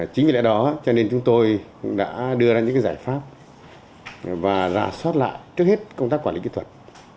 chính vì lẽ đó cho nên chúng tôi đã đưa ra những giải pháp và ra soát lại trước hết công tác quản lý kỹ thuật